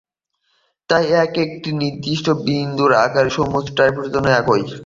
তাই, এই এককটি একটি নির্দিষ্ট বিন্দুর আকারের সমস্ত টাইপফেসের জন্য একই।